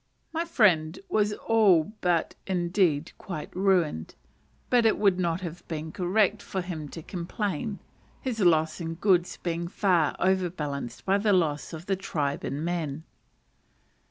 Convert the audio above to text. My friend was all but, or, indeed, quite ruined; but it would not have been "correct" for him to complain his loss in goods being far overbalanced by the loss of the tribe in men.